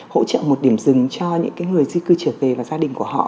hỗ trợ một điểm rừng cho những người di cư trở về và gia đình của họ